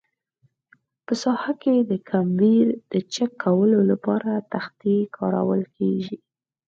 په ساحه کې د کمبر د چک کولو لپاره تختې کارول کیږي